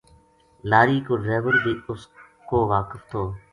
لاری کو ڈریور بے اس کو واقف تھو